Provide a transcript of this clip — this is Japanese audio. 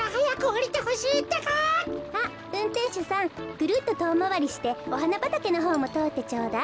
ぐるっととおまわりしておはなばたけのほうもとおってちょうだい。